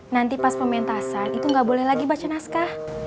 nanti pas pementasan itu nggak boleh lagi baca naskah